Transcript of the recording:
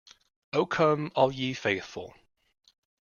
Oh come all ye faithful.